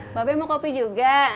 mbak bei mau kopi juga